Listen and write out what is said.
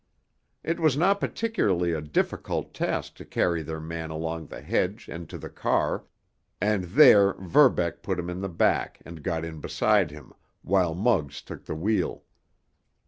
It was not particularly a difficult task to carry their man along the hedge and to the car, and there Verbeck put him in the back and got in beside him, while Muggs took the wheel.